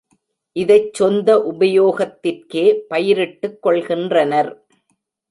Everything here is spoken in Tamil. இதைச் சொந்த உபயோகத்திற்கே பயிரிட்டுக் கொள்கின்றனர்.